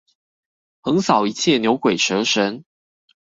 橫掃一切牛鬼蛇神！